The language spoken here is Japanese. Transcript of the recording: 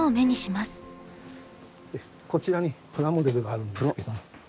こちらにプラモデルがあるんですけど。